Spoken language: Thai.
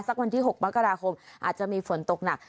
วันที่๖มกราคมอาจจะมีฝนตกหนัก